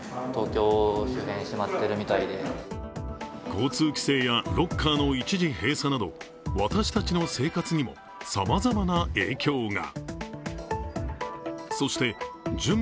交通規制やロッカーの一時閉鎖など私たちの生活にもさまざまな影響が。